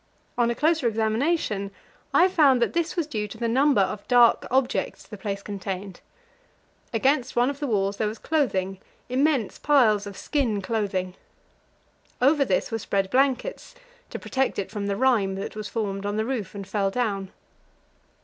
On a closer examination, I found that this was due to the number of dark objects the place contained. Against one of the walls there was clothing immense piles of skin clothing. Over this were spread blankets to protect it from the rime that was formed on the roof and fell down.